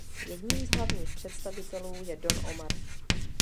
Jedním z hlavních představitelů je Don Omar.